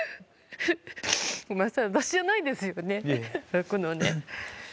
今、私じゃないですよね、泣くのね。